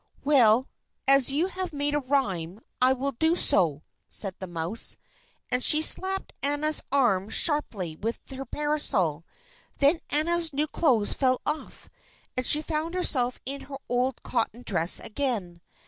"Well, as you have made a rhyme, I will do so," said the mouse, and she slapped Anna's arm sharply with her parasol. Then Anna's new clothes fell off, and she found herself in her old cotton dress again.